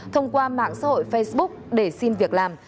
thông qua mạng xã hội facebook để xin việc làm